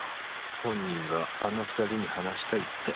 本人があの２人に話したいって。